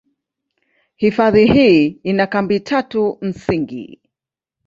Hifadhi hii ina kambi tatu msingi.